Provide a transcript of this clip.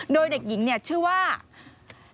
โดยเด็กหญิงชื่อว่าเด็กหญิง